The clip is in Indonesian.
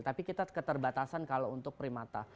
tapi kita keterbatasan kalau untuk primata